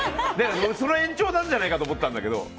その延長なんじゃねえかと思ったんだけど。